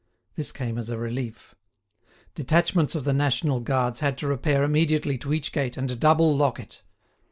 This came as a relief. Detachments of the national guards had to repair immediately to each gate and double lock it.